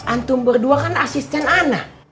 antum berdua kan asisten anak